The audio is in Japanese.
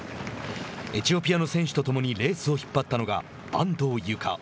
エチオピアの選手と共にレースを引っ張ったのが安藤友香。